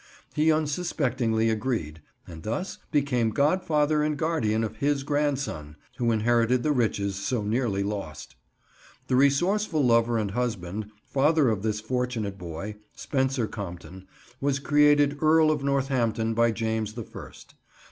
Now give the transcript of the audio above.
He unsuspectingly agreed and thus became godfather and guardian of his grandson, who inherited the riches so nearly lost. The resourceful lover and husband, father of this fortunate boy, Spencer Compton, was created Earl of Northampton by James the First.